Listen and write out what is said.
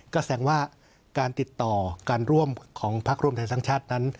ก็แสดงว่าการติดต่อการร่วมของภาคร่วมธรรมชาตินั้น